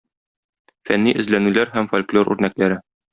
Фәнни эзләнүләр һәм фольклор үрнәкләре.